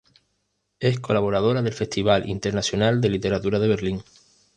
Es colaboradora del Festival Internacional de Literatura de Berlín.